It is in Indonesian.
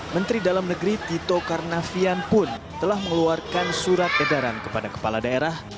menteri dalam negeri tito karnavian pun telah mengeluarkan surat edaran kepada kepala daerah